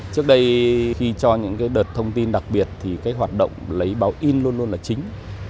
trước đây khi cho những đợt thông tin đặc biệt thì cái hoạt động lấy báo in luôn luôn là chính